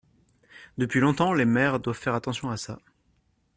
Depuis longtemps les maires doivent faire attention à ça.